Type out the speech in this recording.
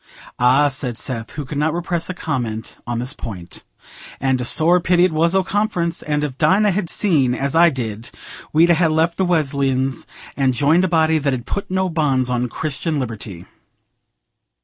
'" "Ah," said Seth, who could not repress a comment on this point, "and a sore pity it was o' Conference; and if Dinah had seen as I did, we'd ha' left the Wesleyans and joined a body that 'ud put no bonds on Christian liberty."